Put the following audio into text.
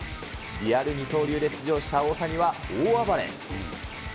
リアル二刀流で出場した大谷は、大暴れ。